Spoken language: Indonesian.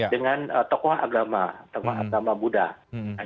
dengan tokoh agama tokoh agama buddha